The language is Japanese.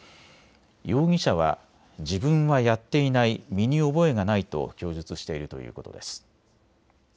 容疑者は自分はやっていない身に覚えがないと供述しているということです。